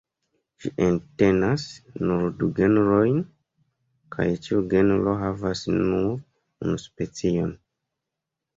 Ĝi entenas nur du genrojn, kaj ĉiu genro havas nur unu specion.